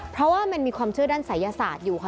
เพราะว่ามันมีความเชื่อด้านศัยศาสตร์อยู่ค่ะ